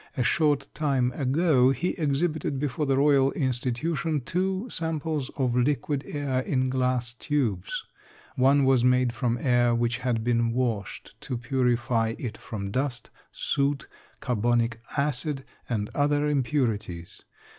A short time ago he exhibited before the Royal institution two samples of liquid air in glass tubes one was made from air which had been washed to purify it from dust, soot, carbonic acid and other impurities.